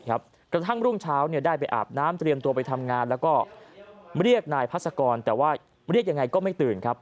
กระทั่งรุ่งเช้าได้ไปอาบน้ำเตรียมตัวไปทำงานแล้วก็เรียกนายพัศกรแต่ว่าเรียกยังไงก็ไม่ตื่นครับ